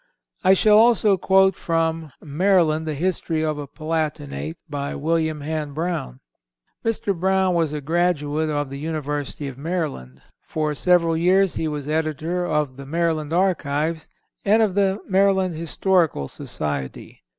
"(307) I shall also quote from "Maryland, the History of a Palatinate," by William Hand Browne.(308) Mr. Browne was a graduate of the University of Maryland. For several years he was editor of the Maryland Archives, and of the Maryland Historical Society.